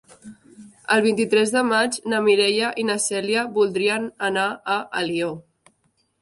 El vint-i-tres de maig na Mireia i na Cèlia voldrien anar a Alió.